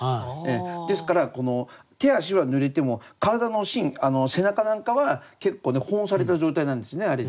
ですから手足は濡れても体の芯背中なんかは結構保温されてる状態なんですねあれで。